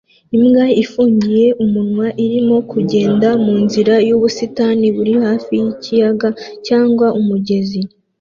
Imbwa ifunguye umunwa irimo kugenda munzira yubusitani buri hafi yikiyaga cyangwa umugezi